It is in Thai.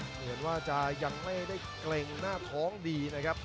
เหมือนว่าจะยังไม่ได้เกร็งหน้าท้องดีนะครับ